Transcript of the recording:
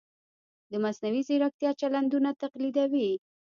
د مصنوعي ځیرکتیا چلندونه تقلیدوي.